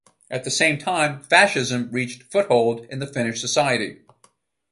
At the same time, fascism reached foothold in the Finnish society.